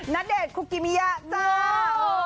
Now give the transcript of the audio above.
ณเดชน์คุกิมิยะเจ้า